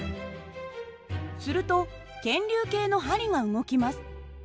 すると検流計の針が動きます。